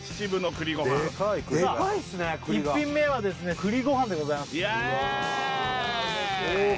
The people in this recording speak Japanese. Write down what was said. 栗が１品目は栗ご飯でございますイエーイ！